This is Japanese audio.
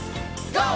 ＧＯ！